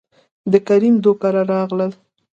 دکريم دو کره راغلل،